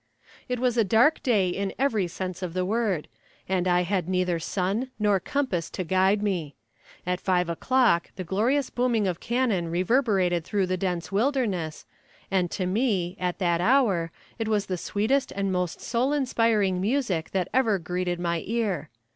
It was a dark day in every sense of the word and I had neither sun nor compass to guide me. At five o'clock the glorious booming of cannon reverberated through the dense wilderness, and to me, at that hour, it was the sweetest and most soul inspiring music that ever greeted my ear.